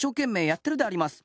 やってるであります。